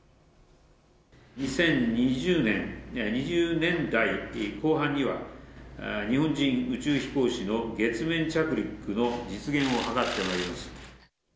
２０２０年代後半には日本人宇宙飛行士の月面着陸の実現を図ってまいります。